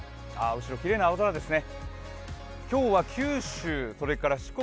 後ろ、きれいな青空ですね。